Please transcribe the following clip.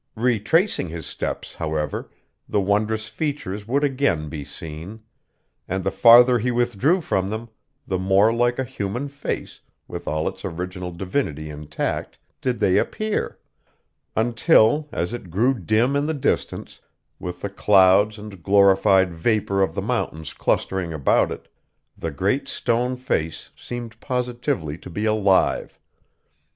Retracing his steps, however, the wondrous features would again be seen; and the farther he withdrew from them, the more like a human face, with all its original divinity intact, did they appear; until, as it grew dim in the distance, with the clouds and glorified vapor of the mountains clustering about it, the Great Stone Face seemed positively to be alive.